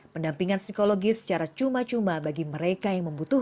pendampingan psikologi secara cuma cuma bagi mereka yang membutuhkan